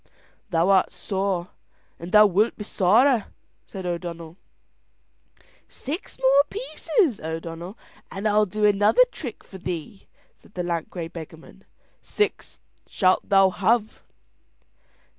"Thou art sore, and thou wilt be sorer," said O'Donnell. "Six more pieces, O'Donnell, and I'll do another trick for thee," said the lank grey beggarman. "Six shalt thou have."